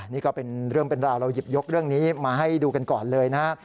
นี่ก็เป็นเรื่องเป็นราวเราหยิบยกเรื่องนี้มาให้ดูกันก่อนเลยนะฮะ